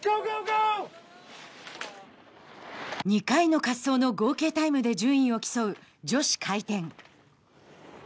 ２回の滑走の合計タイムで順位を競う女子回転。